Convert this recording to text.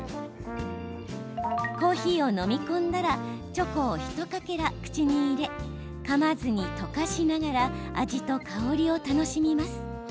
コーヒーを飲み込んだらチョコを一かけら口に入れかまずに溶かしながら味と香りを楽しみます。